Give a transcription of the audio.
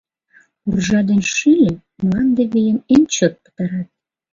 Уржа ден шӱльӧ мланде вийым эн чот пытарат.